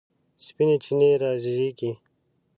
سپینې چینې رازیږي